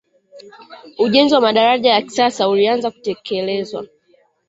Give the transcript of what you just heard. ujenzi wa madaraja ya kisasa ulianza kutekelezwa